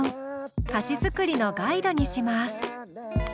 歌詞作りのガイドにします。